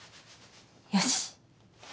よし。